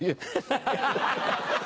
ハハハハ！